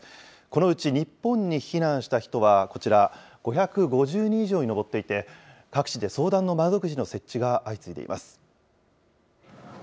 このうち日本に避難した人は、こちら、５５０人以上に上っていて、各地で相談の窓口の設置が相次いでいます。